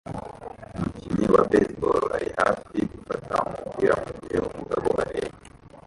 Umukinnyi wa baseball ari hafi gufata umupira mugihe umugabo areba